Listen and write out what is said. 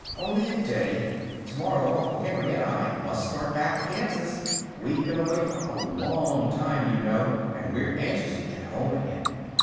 "Only a day. Tomorrow Uncle Henry and I must start back for Kansas. We've been away for a long time, you know, and so we're anxious to get home again."